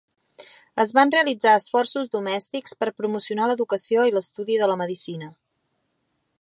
Es van realitzar esforços domèstics per promocionar l'educació i l'estudi de la medicina.